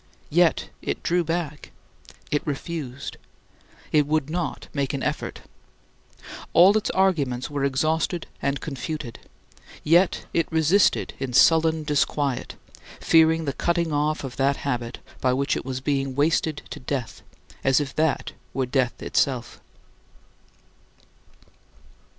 Yet it drew back. It refused. It would not make an effort. All its arguments were exhausted and confuted. Yet it resisted in sullen disquiet, fearing the cutting off of that habit by which it was being wasted to death, as if that were death itself.